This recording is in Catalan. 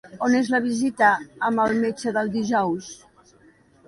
On és la visita amb el metge del dijous?